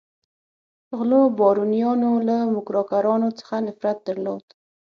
غلو بارونیانو له موکراکرانو څخه نفرت درلود.